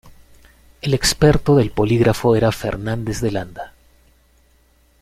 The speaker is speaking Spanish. El experto del polígrafo era Fernández de Landa.